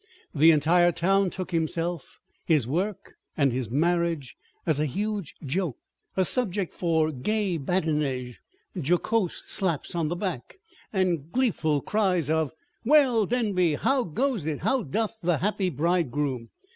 The entire town took himself, his work, and his marriage as a huge joke a subject for gay badinage, jocose slaps on the back, and gleeful cries of: "Well, Denby, how goes it? How doth the happy bridegroom?"